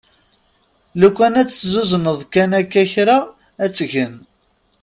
Lukan ad tt-tezzuzneḍ kan akka kra ad tgen.